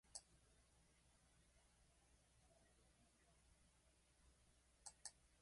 所轄警察署からはもちろん、警視庁からも、捜査係長その他が自動車をとばしてくる、篠崎家は、上を下への大さわぎになりました。